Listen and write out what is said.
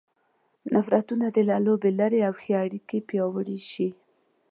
نفرتونه دې له لوبې لیرې او ښې اړیکې پیاوړې شي.